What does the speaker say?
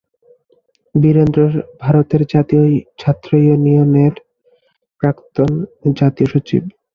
বীরেন্দ্র ভারতের জাতীয় ছাত্র ইউনিয়নের প্রাক্তন জাতীয় সচিব।